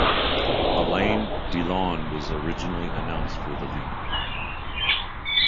Alain Delon was originally announced for the lead.